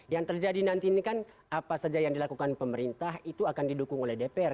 yang terjadi nanti ini kan apa saja yang dilakukan pemerintah itu akan didukung oleh dpr